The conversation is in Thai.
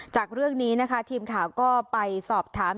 จากเรื่องนี้นะคะทีมข่าวก็ไปสอบถาม